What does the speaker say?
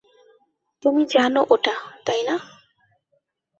তুমি জানো ওটা, তাই না?